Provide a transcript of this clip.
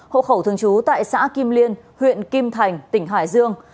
hộ khẩu thường trú tại xã kim liên huyện kim thành tỉnh hải dương